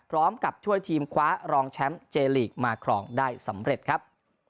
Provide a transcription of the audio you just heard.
ช่วยทีมคว้ารองแชมป์เจลีกมาครองได้สำเร็จครับ